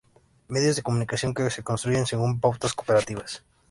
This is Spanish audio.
medios de comunicación que se construyen según pautas cooperativas: